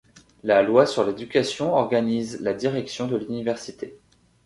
La loi sur l'éducation organise la direction de l'université.